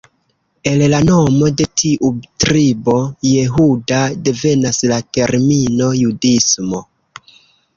El la nomo de tiu tribo, Jehuda, devenas la termino "judismo".